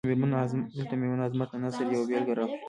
دلته د میرمن عظمت د نثر یوه بیلګه را اخلو.